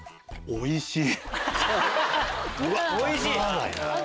おいしい！